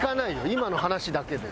今の話だけで。